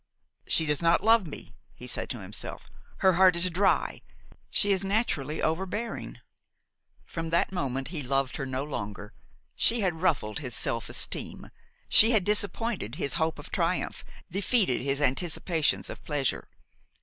"She does not love me," he said to himself; "her heart is dry, she is naturally overbearing." From that moment he loved her no longer. She had ruffled his self esteem; she had disappointed his hope of triumph, defeated his anticipations of pleasure.